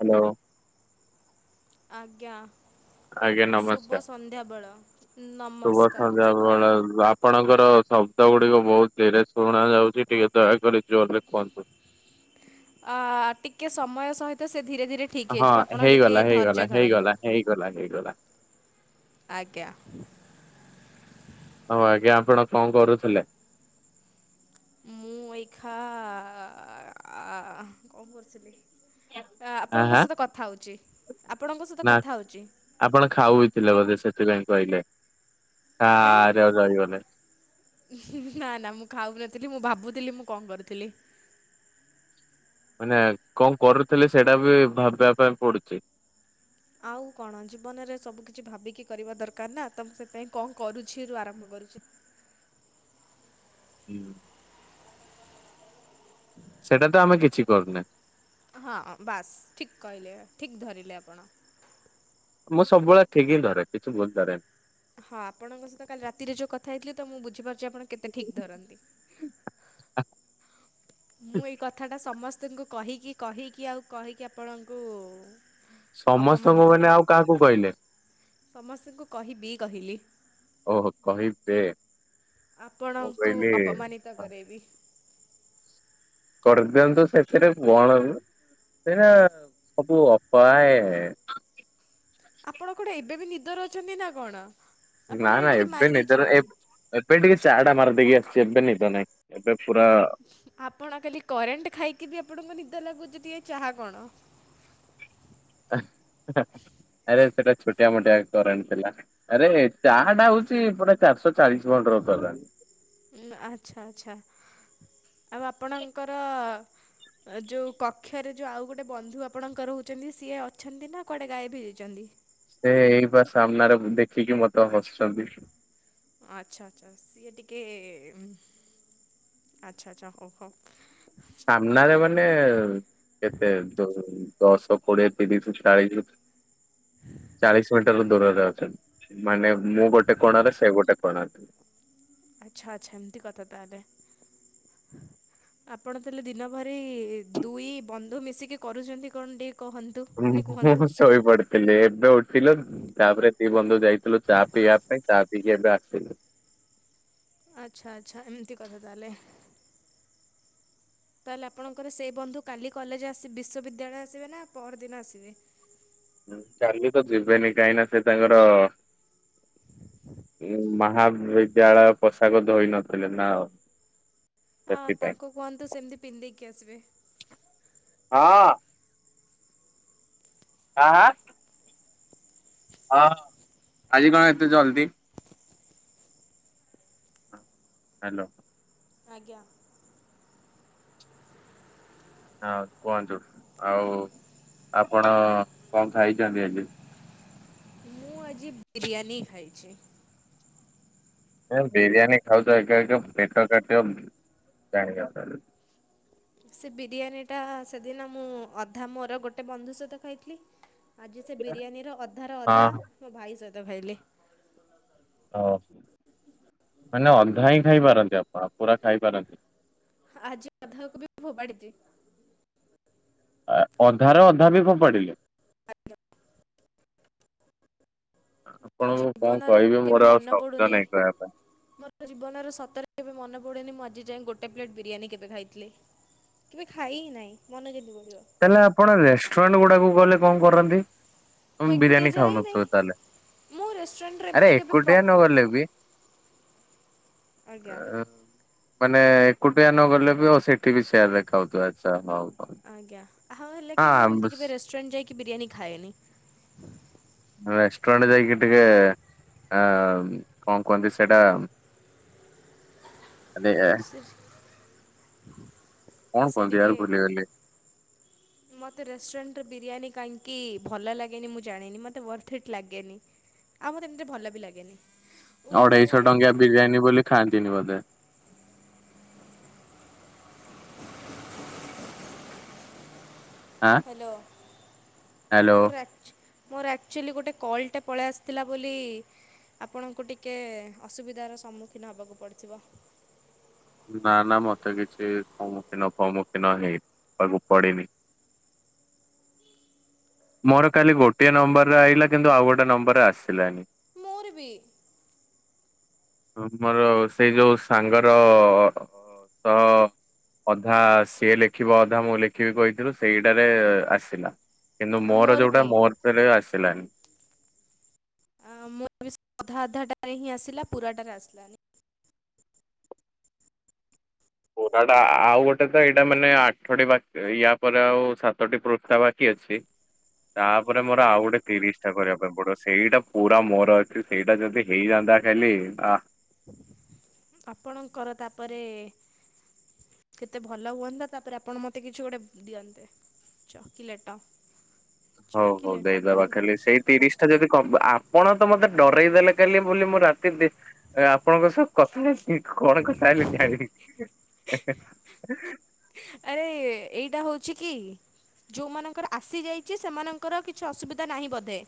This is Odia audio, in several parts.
ହ୍ୟାଲୋ। ଆଜ୍ଞା। ଆଜ୍ଞା ଶୁଭ ନମସ୍କାର। ସନ୍ଧ୍ୟାବେେଳ, ଶୁଭ ନମସ୍କାର, ସନ୍ଧ୍ୟା ବେଳ ଜୁହାର। ଆପଣଙ୍କର ଶବ୍ଦ ଗୁଡିକ ବହୁତ ଧୀରେ ଶୁଣା ଯାଉଛି ଟିକେ ଦୟାକରି ଜୋରରେ କୁହନ୍ତୁ। ଅ, ଟିକିଏ ସମୟ ସହିତ ସେ ଧୀରେ ଧୀରେ ଠିକ୍ ହଁ ହେଇଯିବ ଆପଣ ଟିକେ ହେଇଗଲା ହେଇଗଲା ଧୈର୍ଯ୍ୟ ଧରନ୍ତୁ। ହେଇଗଲା ହେଇଗଲା, ହେଇଗଲା। ଆଜ୍ଞା। ହଉ ଆଜ୍ଞା ଆପଣ କଣ କରୁଥିଲେ? ମୁଁ ଏଇଖା ଆ, କଣ କରୁଥିଲି? ଅ, ଆଁ ଆପଣଙ୍କ ହାଁ ସହିତ କଥା ହଉଛି, ଆପଣଙ୍କ ସହିତ ନା କଥା ହଉଚି। ଆପଣ ଖାଉଥିଲେ ବୋଧେ ସେଥିପାଇଁ କହିଲେ ଆ, ଆ, କାଇଁ ରେ ରହିଗଲେ। ନା ନା ମୁଁ ଖାଉନଥିଲି ମୁଁ ଭାବୁଥିଲି ମୁଁ କଣ କରୁଥିଲି। ମାନେ କଣ କରୁଥିଲେ ସେଇଟା ବି ଭାବିବା ପାଇଁ ପଡୁଛି? ଆଉ କଣ ଜୀବନରେ ସବୁ କିଛି ଭାବିକି କରିବା ଦରକାର ନା, ତ ମୁଁ ସେପାଇଁ କଣ କରୁଛି ରୁ ଆରମ୍ଭ କରୁଛି। ହୁଁ। ହଁ! ସେଇଟା ତ ଆମେ କିଛି କରୁନେ। ହଁ ବାସ୍ ଠିକ କହିଲେ, ଠିକ୍ ଧରିଲେ ଆପଣ। ମୁଁ ସବୁବେଳେ ଠିକ ହିଁ ଧରେ କିଛି ଭୁଲ୍ ଧରେନି। ହଁ ଆପଣଙ୍କ ସହିତ କାଲି ରାତିରେ ଯୋଉ କଥା ହେଇଥିଲି ତ ମୁଁ ବୁଝିପାରୁଚି ଆପଣ କେତେ ଠିକ୍ ଧରନ୍ତି। ମୁଁ ଏଇ କଥାଟା ସମସ୍ତଙ୍କୁ କହିକି କହିକି ଆଉ କହିକି ଆପଣଙ୍କୁ ଅପମାନିତ ସମସ୍ତଙ୍କୁ ମାନେ ଆଉ କାହାକୁ କହିଲେ? ସମସ୍ତଙ୍କୁ କହିବି କହିଲି। ଓହୋ କହିବେ। ମୁଁ ଆପଣଙ୍କୁ କହିଲି ଅପମାନିତ କରେଇବି। କରିଦିଅନ୍ତୁ ସେଥିରେ। [unintelligible] ଆପଣ କଣ ଏବେ ବି ନିଦରେ ଅଛନ୍ତି ନା କଣ? ଆପଣ ନା ଟିକେ ଏବେ ମାରି ନିଦରେ ଏ ଦେଇଚନ୍ତି? ଏବେ ଟିକେ ଚାହା ଟା ମାରିଦେଇକି ଆସିଚି ଏବେ ନିଦ ନାଇ। ଆପ୍ ଆପଣ କାଲି କରେଣ୍ଟ ଖାଇକି ବି ଆପଣଙ୍କୁ ନିଦ ଲାଗୁଚି ଯଦି ଏ ଚାହା କଣ। ଆରେ ସେଇଟା ଛୋଟିଆ ମୋଟିଆ କରେଣ୍ଟ ଥିଲା। ଆରେ ଚାହା ଟା ହଉଚି ପୁରା ଚାରିଶହ ଚାଳିଶ ଭୋଲ୍ଟ ର କରେଣ୍ଟ। ଆଚ୍ଛା ଆଚ୍ଛା। ଆଉ ଆପଣଙ୍କର ଯଉ କକ୍ଷରେ ଯଉ ଆଉ ଗୋଟେ ବନ୍ଧୁ ଆପଣଙ୍କର ରହୁଛନ୍ତି ସିଏ ଅଛନ୍ତି ନା କୁଆଡ଼େ ଗାୟବ ହୋଇଯାଇଛନ୍ତି? ସେ ଏଇ ବା ସାମ୍ନାରେ ଦେଖିକି ମତେ ହସୁଛନ୍ତି। ଆଚ୍ଛା ଆଚ୍ଛା। ସିଏ ଟିକେ ଆଚ୍ଛା ଆଚ୍ଛା ହଉ ହଉ। ସାମ୍ନାରେ ମାନେ କେତେ ଯୋଉ ଦଶ କୋଡିଏ ତିରିଶ ଚାଳିଶିି ଚାଳିଶିି ମିଟର ଦୂରରେ ଅଛନ୍ତି। ମାନେ ମୁଁ ଗୋଟେ କୋଣରେ ସେ ଗୋଟେ କୋଣ ରେ। ଆଚ୍ଛା ଆଚ୍ଛା ଏମିତି କଥା ତାହେଲେ। ଆପଣ ତାହେଲେ ଦିନ ଭରି ଦୁଇ ବନ୍ଧୁ ମିଶିକି କରୁଛନ୍ତି କଣ ଟିକେ କହନ୍ ମୁଁ ଶୋଇ ପଡେ। ହେଲେ ଏବେ ଉଠିଲୁ, ତାପରେ ଦି ବନ୍ଧୁ ଯାଇଥିଲୁ ଚା ପିଇବା ପାଇଁ ଚା ପିଇକି ଏବେ ଆସିଲୁ। ଆଚ୍ଛା ଆଚ୍ଛା ଏମିତି କଥା ତାହେଲେ। ତାହେଲେ ଆପଣଙ୍କର ସେଇ ବନ୍ଧୁ କାଲି କଲେଜ୍ ଆସି ବିଶ୍ୱବିଦ୍ୟାଳୟ ଆସିବେ ନା ପଅରଦିନ ଆସିବେ? କାଲି ତ ଯିବେନି, କାହିଁନା ସେ ତାଙ୍କର ମହାବିଦ୍ୟାଳୟ ପୋଷାକ ଧୋଇନଥିଲେ। [unintelligible] ହଁ ତାଙ୍କୁ କୁହନ୍ତୁ ସେମତି ପିନ୍ଧିଦେଇକି ଆସିବେ। ହଁ। [unintelligible] ହଁ। ଆଜି କଣ ଏତେ ଜଲଦି। ହାଲୋ। ଆଜ୍ଞା। ହଁ କୁହନ୍ତୁ। ଆଉ ଆପଣ କଣ ଖାଇଛନ୍ତି ଆଜି? ମୁଁ ଆଜି ବିରିୟାନୀ ଖାଇଚି। ତମେ ବିରିୟାନୀ ଖାଉଚ ଏକା ଏକା ପେଟ କାଟିବ। [unintelligible] ସେ ବିରିୟାନୀଟା ସେଦିନ ମୁଁ ଅଧା ମୋର ଗୋଟେ ବନ୍ଧୁ ସହିତ ଖାଇଥିଲି। ଆଜି ସେ ବିରିୟାନୀର ଅଧାର ଅଧା ହଁ ମୋ ଭାଇ ସହିତ ଖାଇଲି। ଓ, ମାନେ ଅଧା ହିଁ ଖାଇପାରନ୍ତି ଆପଣ ପୁରା ଖାଇପାରନ୍ତିନି। ଆଜି ଅଧାକୁ ବି ଫୋପାଡ଼ିଚି। ଆ ଅଧାର ଅଧା ବି ଫୋପାଡିଲେ। ଆଜ୍ଞା। ମୁଁ ମୋ ଆପଣଙ୍କୁ କଣ ଜୀବନରେ କହିବି ମୋର କେବେ ଆଉ ମନେ ଶବ୍ଦ ପଡୁନି ନାହିଁ କହିବା ପାଇଁ। ମୋ ଜୀବନର ସତରେ କେବେ ମନ ପଡ଼େନି ମୁଁ ଆଜି ଯାଇଁ ଗୋଟେ ପ୍ଲେଟ୍ ବିରିୟାନୀ କେବେ ଖାଇଥିଲି। କେବେ ଖାଇ ହିଁ ନାହିଁ, ମନେ କେମତି ପଡ଼ିବ। ତାହେଲେ ଆପଣ ରେଷ୍ଟୁରାଣ୍ଟ ଗୁଡାକୁ ଗଲେ କଣ କରନ୍ତି? ମୁଁ ଏକୁଟିଆ ବିରିୟାନୀ ଯାଏ ହିଁ ନାହିଁ। ଖାଉନଥୁଅ ତାହେଲେ, ମୁଁ ରେଷ୍ଟୁରାଣ୍ଟରେ ଏମିତି ଆରେ କେବେ ପ୍ର ଏକୁଟିଆ ନ ଗଲେ ବି ଆଜ୍ଞା। [unintelligible] ମାନେ ଏକୁଟିଆ ନ ଗଲେ ବି ଓ ସେ ଠି ବି ସେୟା ଦେଖାହଉ ଥିବା ଆଚ୍ଛା ହଉ ହଉ। ଆଜ୍ଞା ଆଉ ହେଲା କି ମୁଁ ହଁ ଏମିତି କେବେ ରେଷ୍ଟୁରାଣ୍ଟ ଯାଇକି ବିରିୟାନୀ ଖାଏନି। ରେଷ୍ଟୁରାଣ୍ଟ ଯାଇକି ଟିକେ ଅ କଣ କୁହନ୍ତି ସେଇଟା ଆନେ ସେ କୁହନ୍ତି ଟିକେ ୟାର ଭୁଲିଗଲି। ମତେ ରେଷ୍ଟୁରାଣ୍ଟରେ ବିରିୟାନୀ କାଇଁକି ଭଲ ଲାଗେନି ମୁଁ ଜାଣିନି ମତେ ୱର୍ଥ ଇଟ୍ ଲାଗେନି। ଆଉ ମତେ ଏମତିରେ ଭଲ ବି ଲାଗେନି। ଓହୋ। ଅଢେଇଶ ଟଙ୍କିଆ ବିରିୟାନୀ ବୋଲି ଖାଆନ୍ତିନି ବୋଧେ। ଆଁ ହାଲୋ ହ୍ୟାଲୋ। ମୋ ରା ମୋର ଆକ୍ଚୁଆଲି ଗୋଟେ କଲ୍ ଟେ ପଳେଇ ଆସିଥିଲା ବୋଲି ଆପଣଙ୍କୁ ଟିକେ ଅସୁବିଧାର ସମ୍ମୁଖୀନ ହବାକୁ ପଡିଥିବ। ନା ନା ମତେ କିଛି ସମ୍ମୁଖୀନ ଫମ୍ମୁଖୀନ ହେଇନି [unintelligible] କୁ ପଡିନି। ମୋର କାଲି ଗୋଟିଏ ନମ୍ବରେ ଆଇିଲା କିନ୍ତୁ ଆଉ ଗୋଟେ ନମ୍ବରେ ଆସିଲାନି। ମୋର ବି। ତୁମର ସେ ଯୋଉ ସାଙ୍ଗର କ ତ ଅଧା ସିଏ ଲେଖିବ ଅଧା ମୁଁ ଲେଖିବି କହିଥିଲୁ ସେଇଟାରେ ଆସିଲା। କିନ୍ତୁ ମୋର ଯୋଉଟା ମୋର ତିରେ ଆସିଲାନି। ଆ ମୋ ବି ସେ ଅଧା ଅଧାଟାରେ ହିଁ ଆସିଲା ପୁରାଟାରେ ଆସିଲାନି। ପୁରା ଟା ଆଉ ଗୋଟେ ତ ଏଇଟା ମାନେ ଆଠଟି ବା ୟା ପରେ ଆଉ ସାତଟି ପୃଷ୍ଠା ବାକି ଅଛି। ତାପରେ ଆଜ୍ଞା ମୋର ଆଉ ଗୁଟେ ତିରିଶ୍ ଛା କରିବା ପାଇଁ ପଡିବ ସେଇଟା ପୁରା ମୋର ଅଛି ସେଇଟା ଯଦି ହେଇଯାନ୍ତା ଖାଲି ଆ ଆପଣଙ୍କର ତାପରେ କେତେ ଭଲ ହୁଅନ୍ତା ତାପରେ ଆପଣ ମତେ କିଛି ଗୋଟେ ଦିଅନ୍ତେ। ଚକିଲେଟ। ହଉ ହଉ ଚକିଲେଟ କଣ ଦେଇଦବା କାଲି କହୁଛି ସେଇ ତିରିଶ୍ ଆ ଯଦି କ ଆପଣ ତ ମତେ ଡରେଇ ଦେଲେ କାଲି ବୋଲି ମୋ ରାତି ଦି ଆପଣଙ୍କ ସହ କଥା ହେଇସି କଣ କଥା ହେଲି ଜାଣିନି। ଆରେ ଏଇଟା ହଉଛି କି ଯୋଉମାନଙ୍କର ଆସିଯାଇଚି ସେମାନଙ୍କର କିଛି ଅସୁବିଧା ନାହିଁ ବୋଧେ।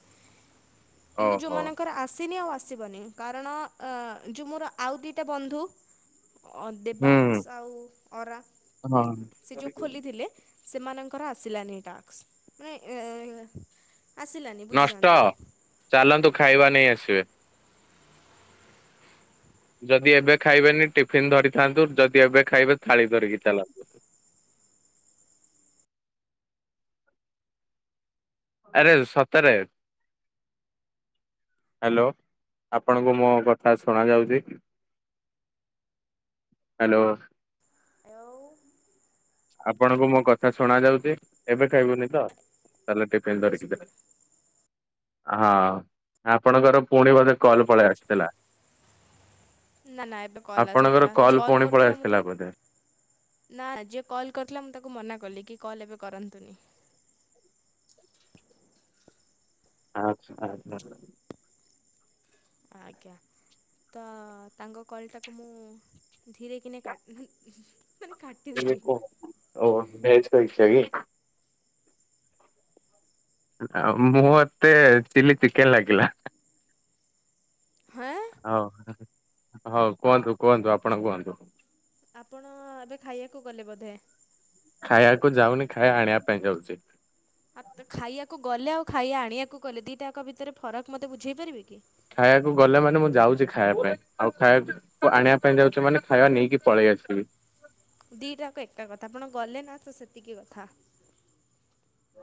କିନ୍ତୁ ଓହୋ। ଯୋଉମାନ ଙ୍କର ଆସିନି ଆଉ ଆସିବନି କାରଣ ଅ ଯୋଉ ମୋର ଆଉ ଦିଟା ବନ୍ଧୁ ଅ ଦେବାଂଶ ହୁଁ ଆଉ ଅରା ହଁ ସେ ଯୋଉ ଖୋଲିଥିଲେ ସେମାନଙ୍କର ଆସିଲାନି ଏଇ ଟାକ୍ସ ମାନେ [unintelligible] ଆସିଲାନି। ନଷ୍ଟ ବୁଝିଯାଆନ୍ତୁ ଚାଲନ୍ତୁ ଖାଇବା ନେଇ ଆସିବେ। ଯଦି ଏବେ ଖାଇବେନି ଟିଫିିନ୍ ଧରିଥାନ୍ତୁ ଯଦି ଏବେ ଖାଇବେ ଥାଳି ଧରିକି ଚାଲନ୍ତୁ। ଆରେ ସତରେ। ହାଲୋ ଆପଣଙ୍କୁ ମୋ କଥା ଶୁଣା ଯାଉଛି? ହାଲୋ। ଏଆଉ। ଆପଣଙ୍କୁ ମୋ କଥା ଶୁଣା ଯାଉଛି ଏବେ ଖାଇବୁନି ତ ତାହେଲେ ଟିଫିନ ଏବେ ଧରିକି ଦେ। ଶୁଭିଲା। ହଁ ଆପଣଙ୍କର ପୁଣି ବୋଧେ କଲ୍ ପଳେଇ ଆସିଥିଲା। ନା ନା ଏବେ କଲ ଆସି ଆପଣଙ୍କର ନଥିଲା ଯେ କଲ୍ ପୁଣି ପଳେଇ କରୁଥିଲା ମୁଁ ଆସିଥିଲା ତାକୁ ବୋଧେ। ନା ଯିଏ କଲ୍ କରିଥିଲା ମୁଁ ତାକୁ ମନା କଲି କି କଲ୍ ଏବେ କରନ୍ତୁନି। ଆଛା ଆଚ୍ଛା। ଆଜ୍ଞା। ତ ତାଙ୍କ କଲ୍ ଟାକୁ ମୁଁ ଧୀରେକିନି କାଟିଲି [unintelligible] ଓ ବଜ ପରୀକ୍ଷାାଗ [unintelligible] ମୁଁ ମତେ ଚିଲି ଚିକେନ ଲାଗିଲା। ହଁ। ହଉ ହଉ କୁହନ୍ତୁ କୁହନ୍ତୁ ଆପଣ କୁହନ୍ତୁ। ଆପଣ ଏବେ ଖାଇଆକୁ ଗଲେ ବୋଧେ। ଖାଇଆକୁ ଯାଉନି ଖାଇଆ ଆଣିବା ପାଇଁ ଯାଉଛି। ଆଉ ତ ଖାଇଆକୁ ଗଲେ ଆଉ ଖାଇଆ ଆଣିଆକୁ ଗଲେ ଦିଇଟାକ ଭିତରେ ଫରକ ମୋତେ ବୁଝେଇ ପାରିବେ କି? ଖାଇଆକୁ ଗଲେ ମାନେ ମୁଁ ଯାଉଛି ଖାଇଆ ପାଇଁ ଆଉ ଖାଇଆ ଆଣିବା ପାଇଁ ଯାଉଛୁ ମାନେ ଖାଇବା ନେଇକି ପଳେଇ ଆସିବି। ଦିଟାକ ଏକା କଥା ଆପଣ ଗଲେ ନା ତ ସେତିକି କଥା।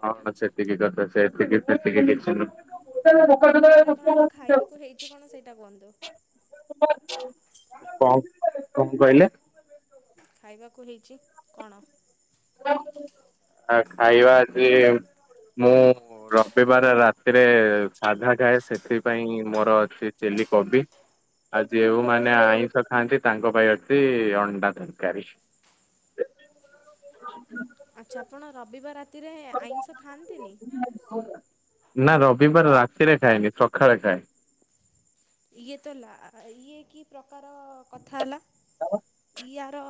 ହଁ ସେତିକି କଥା ସେତିକି ସେତିକି କିଛି ନୁ ତାହେଲେ ଆପଣ ଆଜି ଖାଇବାକୁ ହେଇଛି କଣ ସେଇଟା କୁହନ୍ତୁ? [unintelligible] [unintelligible] କଣ କଣ କହିଲେ? ଖାଇବାକୁ ହେଇଛି କଣ? ଆ ଖାଇବା ଆଜି ମୁଁ ରବିବାର ରାତିରେ ସାଧା ଖାଏ ସେଥିପାଇଁ ମୋର ଅଛି ଚିଲି କୋବି। ଆଉ ଯେଉଁମାନେ ଆଇଁଷ ଖାଆନ୍ତି ତାଙ୍କ ପାଇଁ ଅଛି ଅଣ୍ଡା ତରକାରୀ। [inaudible] ଆଚ୍ଛା ଆପଣ ରବିବାର ରାତିରେ ଆଇଁଷ ଖାଆନ୍ତିନି? ନା ରବିବାର ରାତିରେ ଖାଏନି ସକାଳେ ଖାଏ। ଇଏ ତ ଇଏ କି ପ୍ରକାର କଥା ହେଲା। ଇୟାର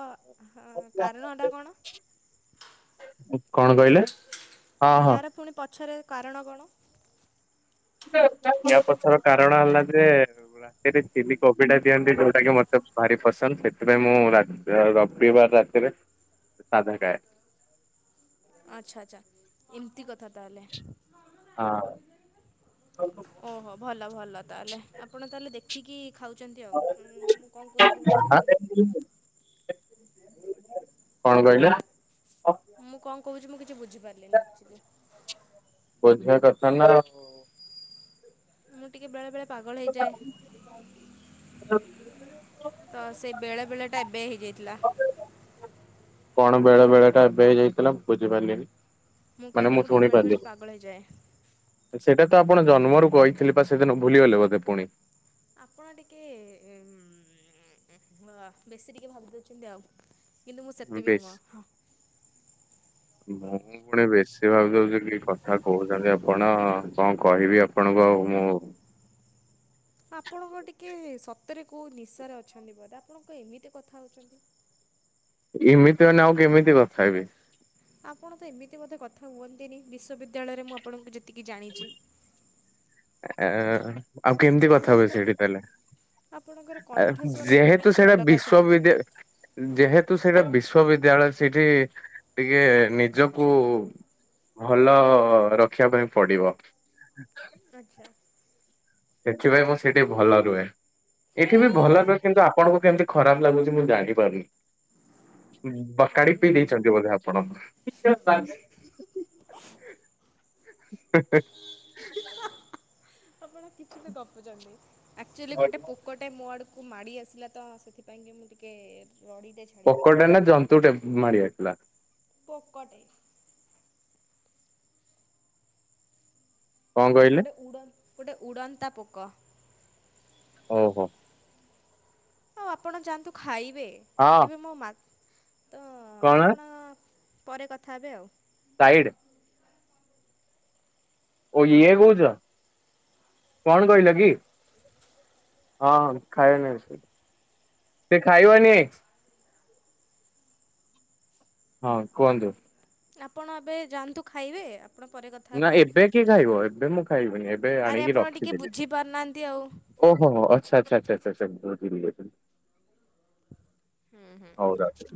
କାରଣଟା କଣ? କଣ କହିଲେ? ହଁ ହଁ। ୟାର ପୁଣି ପଛରେ କାରଣ କଣ? ୟା ପଛର କାରଣ ହେଲା ଯେ ରାତିରେ ଚିଲି କୋବିଟା ଦିଅନ୍ତି ଯୋଉଟାକି ମୋତେ ଭାରି ପସନ୍ଦ ସେଥିପାଇଁ ମୁଁ ରବିବାର ରାତିରେ ସାଧା ଖାଏ। ଆଛା ଆଛା ଏମିତି କଥା ତାହେଲେ। ହଁ। ଓହୋ ଭଲ ଭଲ ତାହେଲେ ଆପଣ ତାହେଲେ ଦେଖିକି ଖାଉଛନ୍ତି ଆଉ ମୁଁ କଣ କହୁଛି ମୁଁ ବୁଝିପାରୁନି କଣ କହିଲ? ମୁଁ କଣ କହୁଛି ମୁଁ କିଛି ବୁଝିପାରିଲିନି ଆକ୍ଚୁଲି ବୁଝିବା କଥା ନା ମୁଁ ଟିକେ ବେଳେ ବେଳେ ପାଗଳ ହେଇଯାଏ ତ ସେଇ ବେଳେ ବେଳେ ଟା ଏବେ ହେଇଯାଇଥିଲା କଣ ବେଳେ ବେଳେ ଟା ଏବେ ହେଇ ଯାଇଥିଲା ବୁଝିପାରିଲିନି ମୁଁ ମାନେ କହିଲି ମୁଁ ଟିକେ ଶୁଣି ବେଳେବେଳେ ପାରିଲିନି ପାଗଳ ହୋଇଯାଏ। ସେଇଟା ତ ଆପଣ ଜନ୍ମରୁ କହିଥିଲେ ବା ସେଦିନ ଭୁଲିଗଲେ ବୋଧେ ପୁଣି ଆପଣ ଟିକେ ବେଶୀ ଟିକେ ଭାବିଦଉଛନ୍ତି ଆଉ କିନ୍ତୁ ମୁଁ ସେତେ ବିି ବେଶ ନୁହଁ। [unintelligible] ମୁଁ ପୁଣି ବେଶୀ ଭାବି ଦଉଛି କି କଥା କହୁଛନ୍ତି ଆପଣ କଣ କହିବି ଆପଣଙ୍କୁ ଆଉ ମୁଁ ଆପଣଙ୍କ ଟିକେ ସତରେ କେଉଁ ନିଶାରେ ଅଛନ୍ତି ବଧେ ଆପଣଙ୍କ ଏମିତି କଥା ହେଉଛନ୍ତି ଏମିତି ମାନେ ଆଉ କେମିତି କଥା ହେବି ଆପଣ ତ ଏମିତି ମଧ୍ୟ କଥା ହୁଅନ୍ତିନି ବିଶ୍ୱବିଦ୍ୟାଳୟରେ ମୁଁ ଆପଣଙ୍କୁ ଯେତିକି ଜାଣିଛି। ଆ ଆଉ କେମିତି କଥା ହୁଏ ଆପଣଙ୍କର ସେଇଠି ତାହେଲେ ଆପଣଙ୍କର ଆ କଣ୍ଠସ୍ୱରଟା ମୋତେ ଯେହେତୁ କିଛି ସେଇଟା ଅଲଗା ଶୁଭୁଛି। ବିଶ୍ଵଵିଦ୍ୟାଳୟ ଯେହେତୁ ସେଇଟା ବିଶ୍ଵବିଦ୍ୟାଳୟ ସେଇଠି ଟିକେ ନିଜକୁ ଭଲ ରଖିବା ପାଇଁ ପଡିବ। ଆଚ୍ଛା ସେଥିପାଇଁ ମୁଁ ସେଠି ଭଲ ରୁହେ ଏ ଏଠି ବି ଭଲ ରୁହେ। କିନ୍ତୁ ଆପଣଙ୍କୁ କେମିତି ଖରାପ ଲାଗୁଛି ମୁଁ ଜାଣିପାରୁନି। ବକାଡି ପିଇ ଦେଇଛନ୍ତି ବୋଧେ ଆପଣ। ହ ଆପଣ କିଛି ବି ଗପୁଛନ୍ତି ଆଚୁଆଲି ଗୋଟେ ପ ପୋକଟେ ମୋ ଆଡ଼କୁ ମାଡ଼ି ଆସିଲା ତ ସେଥିପାଇଁକି ମୁଁ ଟିକେ ରଡ଼ିଦଛି ପୋକଟେ ନା ଜନ୍ତୁ ଟେ ମାରି ଆସିଥିଲା। ପୋକଟେ କଣ କହିଲେ ଗୋଟେ ଉଡ଼ ଗୋଟେ ଉଡ଼ନ୍ତା ପୋକ। ଓହୋ ଆଉ ଆପଣ ଯାଆନ୍ତୁ ଖାଇବେ ହଁ ଏବେ ମୋ ମା ତ କଣ ଆପଣ ପରେ କଥା ହେବେ ଆଉ ସାଇଡ଼୍ ଓ ଇଏ କହୁଛ କଣ କହିଲ କି? ହଁ ହଁ ଖାଇବନି ସେ ଖାଇବନି ହଁ କୁହନ୍ତୁ ଆପଣ ଏବେ ଯାଆନ୍ତୁ ଖାଇବେ। ଆପଣ ପରେ କଥା ନା ହେବେ ଆଉ ଏବେ କି ଖାଇବ ଏବେ ମୁଁ ଖାଇବିନି ଏବେ ଆରେ ଆଣିକି ଆପଣ ଟିକେ ରଖିଦେଲି। ବୁଝି ପାରୁନାହାନ୍ତି ଆଉ। ଓହୋ ହୋ ଆଚ୍ଛା ଆଚ୍ଛା ଆଚ୍ଛା। ହୁଁ ହୁଁ ହଉ ରଖ।